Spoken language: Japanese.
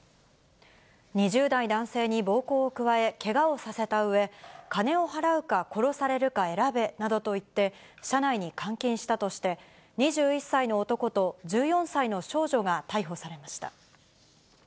２０代男性に暴行を加え、けがをさせたうえ、金を払うか殺されるか選べなどと言って、車内に監禁したとして、２１歳の男と１４歳の少女が逮捕されました。